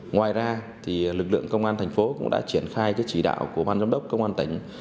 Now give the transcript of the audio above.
ngoài ra lực lượng công an tp cũng đã triển khai chỉ đạo của ban giám đốc công an tp